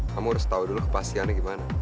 kamu harus tahu dulu kepastiannya gimana